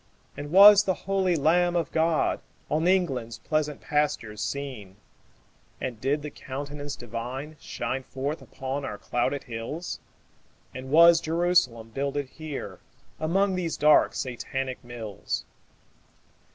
And was the holy Lamb of God On England's pleasant pastures seen? And did the Countenance Divine Shine forth upon our clouded hills? And was Jerusalem builded here Among these dark Satanic mills?